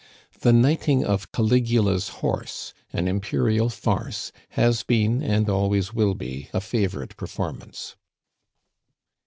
The knighting of Caligula's horse, an imperial farce, has been, and always will be, a favorite performance.